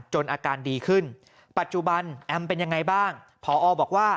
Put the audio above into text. อาการดีขึ้นปัจจุบันแอมเป็นยังไงบ้างพอบอกว่า